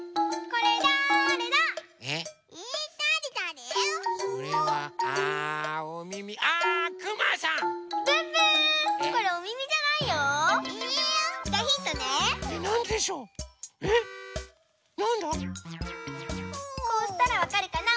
こうしたらわかるかな？